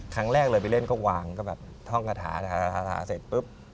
ครั้งแรกเลยไปเล่นก็วางก็แบบท่องกระถาเสร็จปุ๊บ